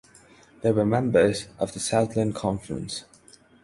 They were members of the Southland Conference.